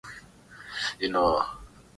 Masikini haokoti, akiokota huambiwa kaiba